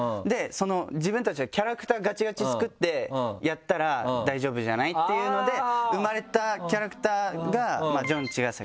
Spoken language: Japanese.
自分たちでキャラクターガチガチに作ってやったら大丈夫じゃない？っていうので生まれたキャラクターがジョン茅ヶ崎。